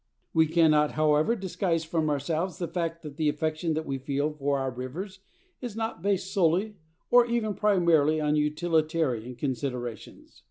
We cannot, however, disguise from ourselves the fact that the affection that we feel for our rivers is not based solely, or even primarily, on utilitarian considerations.